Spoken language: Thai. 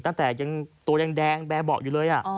ตั้งแต่ตัวยังแดงแบบบอกอยู่เลย